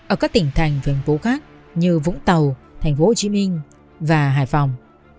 ở các tỉnh thành và thành phố khác như vũng tàu tp hcm và hải phòng